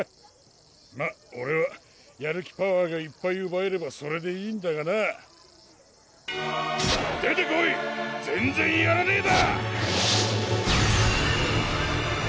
まぁオレはやる気パワーがいっぱいうばえればそれでいいんだがな出てこいゼンゼンヤラネーダ！